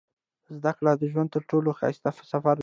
• زده کړه د ژوند تر ټولو ښایسته سفر دی.